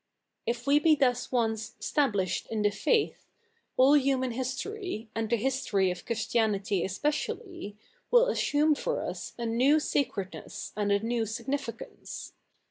^Ifwe be thus ojice ^^ stablished in the faith^'' all human history, and the history of Christiatiity especially, will assume for us a new sacredness and a new significance.